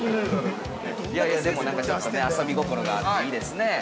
◆いやいや、でもなんか、ちょっとね遊び心があっていいですね。